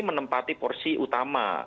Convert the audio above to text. menempati porsi utama